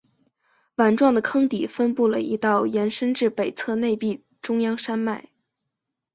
碗状的坑底分布了一道延伸至北侧内壁中央山脉。